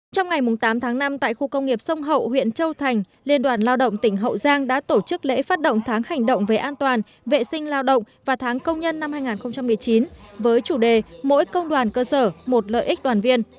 trong ngày tám tháng năm tại khu công nghiệp sông hậu huyện châu thành liên đoàn lao động tỉnh hậu giang đã tổ chức lễ phát động tháng hành động về an toàn vệ sinh lao động và tháng công nhân năm hai nghìn một mươi chín với chủ đề mỗi công đoàn cơ sở một lợi ích đoàn viên